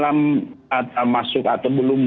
atau masuk atau belum